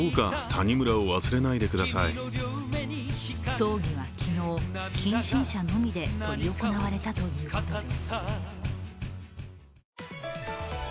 葬儀は昨日、近親者のみで執り行われたということです。